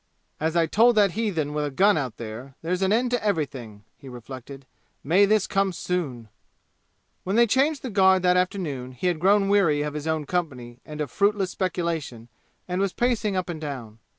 "As I told that heathen with a gun out there, there's an end to everything!" he reflected. "May this come soon!" When they changed the guard that afternoon he had grown weary of his own company and of fruitless speculation and was pacing up and down.